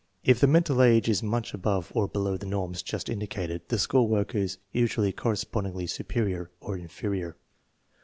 If the mental age is much above or below the norms just indicated the school work is usually correspondingly superior or inferior.